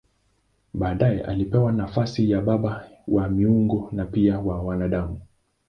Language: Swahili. Baadaye alipewa nafasi ya baba wa miungu na pia wa wanadamu.